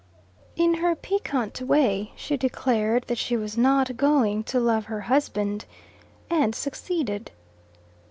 In her piquant way she declared that she was not going to love her husband, and succeeded.